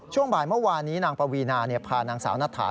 ช่วงบ่ายเมื่อวานนี้นางปวีนาพานางสาวณฐา